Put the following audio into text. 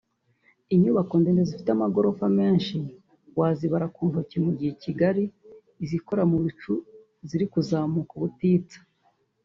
inyubako ndende zifite amagorofa menshi wazibara ku ntoki mu gihe i Kigali izikora mu bicu ziri kuzamuka ubutitsa